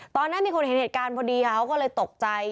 ตอนนั้นมีคนเห็นเหตุการณ์พอดีเขาก็เลยตกใจ